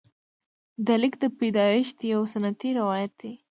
د لیک د پیدایښت یو سنتي روایت دی.